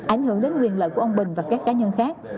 ảnh hưởng đến quyền lợi của ông bình và các cá nhân khác